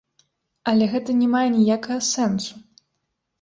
Але гэта не мае ніякага сэнсу.